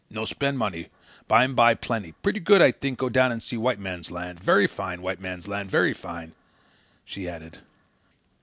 No spend money. Bime by, plenty. Pretty good, I think, go down and see White Man's Land. Very fine, White Man's Land, very fine," she added.